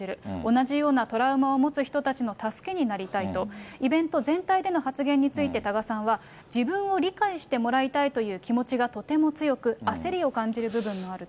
同じようなトラウマを持つ人たちの助けになりたいと、イベント全体での発言について、多賀さんは、自分を理解してもらいたいという気持ちがとても強く、焦りを感じる部分もあると。